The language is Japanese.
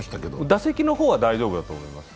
打席の方は大丈夫だと思います。